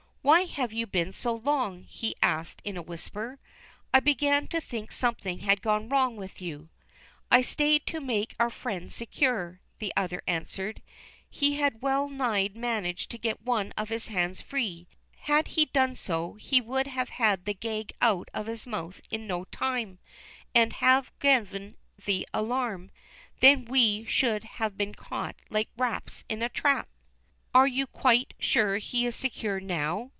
"Why have you been so long?" he asked in a whisper. "I began to think something had gone wrong with you." "I stayed to make our friend secure," the other answered. "He had well nigh managed to get one of his hands free. Had he done so, he would have had the gag out of his mouth in no time, and have given the alarm. Then we should have been caught like rats in a trap." "Are you quite sure he is secure now?"